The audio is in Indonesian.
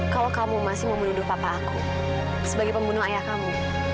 kalau kamu masih mau menuduh papa aku sebagai pembunuh ayah kamu